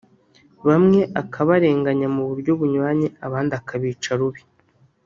bamwe akabarenganya mu buryo bunyuranye abandi akabica rubi